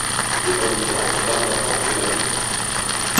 Les vents dominants sont l’harmattan et la mousson.